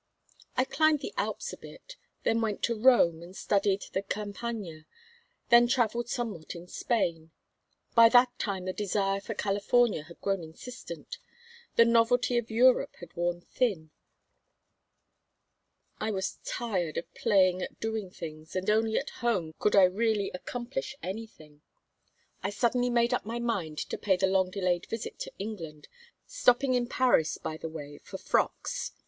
"I climbed in the Alps a bit, then went to Rome and studied the Campagna, then travelled somewhat in Spain. By that time the desire for California had grown insistent. The novelty of Europe had worn thin. I was tired of playing at doing things, and only at home could I really accomplish anything. I suddenly made up my mind to pay the long delayed visit to England, stopping in Paris by the way for frocks.